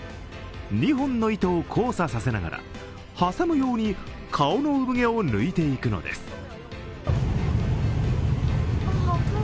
２本の糸を交差させながら挟むように顔の産毛を抜いていくのです。